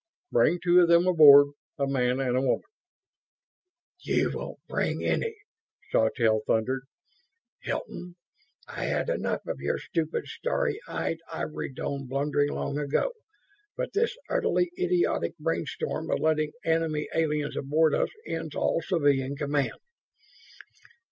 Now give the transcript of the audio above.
"Bring two of them aboard. A man and a woman." "You won't bring any!" Sawtelle thundered. "Hilton, I had enough of your stupid, starry eyed, ivory domed blundering long ago, but this utterly idiotic brainstorm of letting enemy aliens aboard us ends all civilian command.